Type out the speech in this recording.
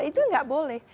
itu tidak boleh